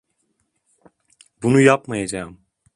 Bunu yapmayacağım.